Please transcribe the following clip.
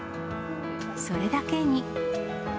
それだけに。